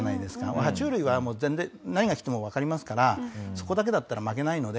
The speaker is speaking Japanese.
爬虫類はもう全然何が来てもわかりますからそこだけだったら負けないので。